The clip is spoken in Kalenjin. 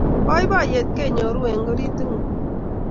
Boiboiyet kenyoru engaritingung